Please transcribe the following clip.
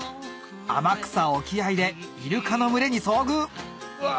天草沖合でイルカの群れに遭遇うわ